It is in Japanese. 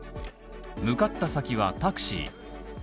向かった先はタクシー。